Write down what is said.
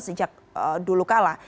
sejak dulu kalah